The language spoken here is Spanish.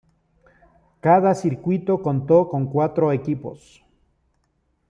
Cada circuito contó con cuatro equipos.